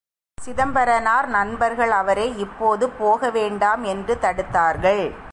சிதம்பரனார் நண்பர்கள் அவரை இப்போது போக வேண்டாம் என்று தடுத்தார்கள்.